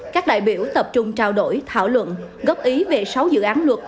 các đại biểu tập trung trao đổi thảo luận góp ý về sáu dự án luật